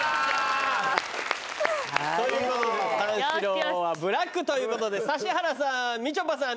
という事で三四郎はブラックという事で指原さんみちょぱさん